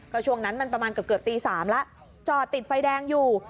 ก็ช่วงนั้นมันประมาณเกือบตี๓แล้วจอดติดไฟแดงอยู่